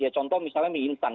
ya contoh misalnya mi insan